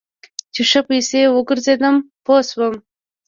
چې ښه پسې وګرځېدم پوه سوم.